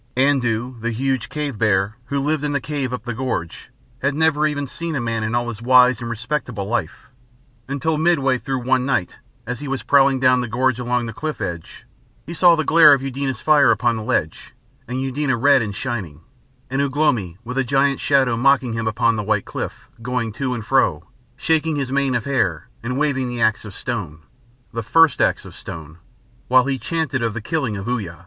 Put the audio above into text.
Andoo, the huge cave bear, who lived in the cave up the gorge, had never even seen a man in all his wise and respectable life, until midway through one night, as he was prowling down the gorge along the cliff edge, he saw the glare of Eudena's fire upon the ledge, and Eudena red and shining, and Ugh lomi, with a gigantic shadow mocking him upon the white cliff, going to and fro, shaking his mane of hair, and waving the axe of stone the first axe of stone while he chanted of the killing of Uya.